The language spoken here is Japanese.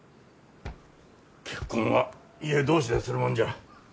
結婚は家同士でするもんじゃ。